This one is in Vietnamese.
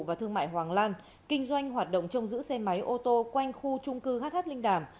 và thương mại hoàng lan kinh doanh hoạt động trông giữ xe máy ô tô quanh khu trung cư hh linh đàm